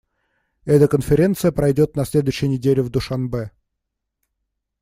Эта Конференция пройдет на следующей неделе в Душанбе.